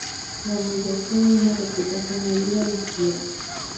La humillación y una reputación herida le siguieron.